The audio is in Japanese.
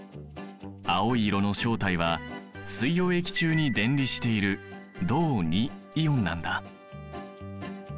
青い色の正体は水溶液中に電離している銅イオンなんだ。